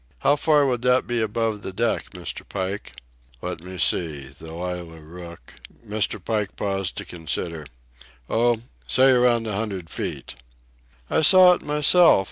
How far would that be above the deck, Mr. Pike?" "Let me see ... the Lallah Rookh." Mr. Pike paused to consider. "Oh, say around a hundred feet." "I saw it myself.